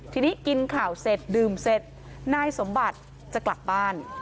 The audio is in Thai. ทีนี้กินข่าวเสร็จดื่มเสร็จนายสมบัติจะกลับบ้าน